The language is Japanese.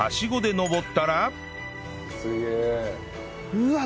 うわっ！